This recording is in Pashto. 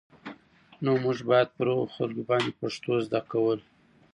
نو موږ بايد پر هغو خلکو باندې پښتو زده کول